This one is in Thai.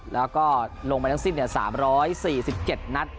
แล้วก็ลงไปทั้งสิ้น๓๔๗นัด